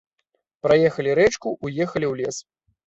Праехалі рэчку, уехалі ў лес.